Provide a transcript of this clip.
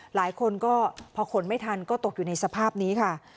หลายคนก็พอขนไม่ทันก็ตกอยู่ในสภาพนี้ค่ะ